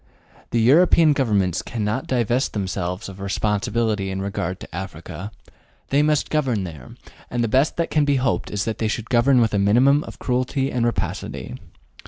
The European governments cannot divest themselves of responsibility in regard to Africa. They must govern there, and the best that can be hoped is that they should govern with a minimum of cruelty and rapacity.